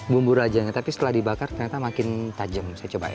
bumbu rajanya tapi setelah dibakar ternyata makin tajam saya coba ya